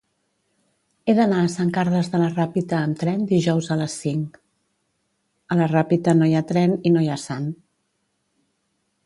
He d'anar a Sant Carles de la Ràpita amb tren dijous a les cinc.